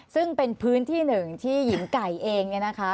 ซึ่งเป็นพื้นที่หนึ่งที่หญิงไก่เองเนี่ยนะคะ